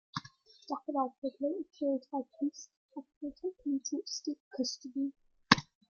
Gafurov was later killed by police after attempting to escape custody.